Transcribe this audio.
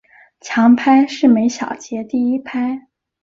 强拍是每小节第一拍。